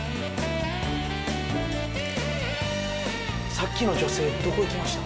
さっきの女性どこ行きました？